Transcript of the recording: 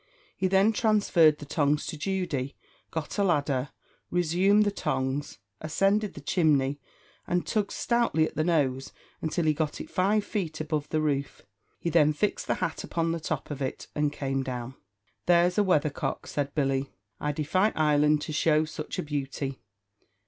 He then transferred the tongs to Judy, got a ladder, resumed the tongs, ascended the chimney, and tugged stoutly at the nose until he got it five feet above the roof. He then fixed the hat upon the top of it, and came down. "There's a weather cock," said Billy; "I defy Ireland to show such a beauty.